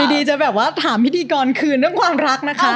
ดีจะแบบว่าถามพิธีกรคืนเรื่องความรักนะคะ